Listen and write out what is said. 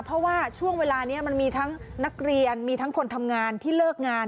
เพราะว่าช่วงเวลานี้มันมีทั้งนักเรียนมีทั้งคนทำงานที่เลิกงาน